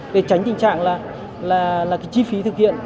để tránh tình trạng là chi phí thực hiện